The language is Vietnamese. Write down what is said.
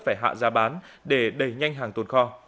phải hạ giá bán để đẩy nhanh hàng tồn kho